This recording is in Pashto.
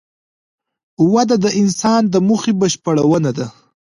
وده د انسان د موخې بشپړونه ده.